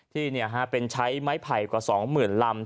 ที่เป็นใช้ไม้ไผ่กว่า๒๐๐๐ลำ